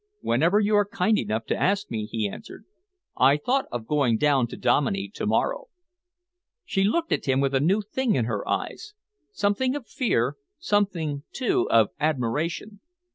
"Whenever you are kind enough to ask me," he answered. "I thought of going down to Dominey to morrow." She looked at him with a new thing in her eyes something of fear, something, too, of admiration.